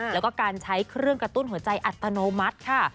แล้วก็การใช้เครื่องกระตุ้นหัวใจอัตโนมัติค่ะ